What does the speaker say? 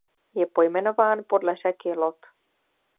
Je pojmenován podle řeky Lot.